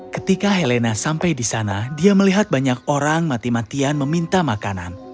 ketika helena sampai di sana dia melihat banyak orang mati matian meminta makanan